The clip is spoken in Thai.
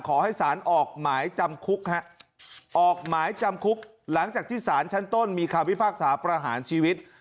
ขอให้สารออกหมายจำคุกหลังจากที่สารชั้นต้นมีความวิภาคสาประหารชีวิต